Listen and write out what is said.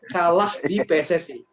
kalah di pssi